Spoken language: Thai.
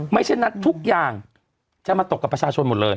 เช่นนั้นทุกอย่างจะมาตกกับประชาชนหมดเลย